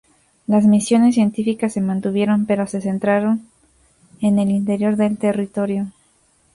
Las misiones científicas se mantuvieron, pero se centraron en el interior del territorio.